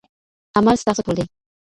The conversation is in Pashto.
عمل ستاسو تول دی.